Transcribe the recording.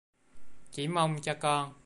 Chỉ mong cho con